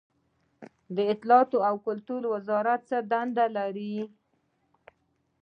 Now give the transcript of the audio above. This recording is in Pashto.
د اطلاعاتو او کلتور وزارت څه دنده لري؟